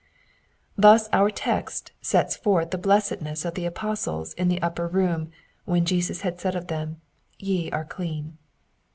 Thus our text sets forth the blessedness of the apostles in the upper room when Jesus had said of them, Ye are clean."